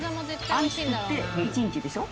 餡作って１日でしょ。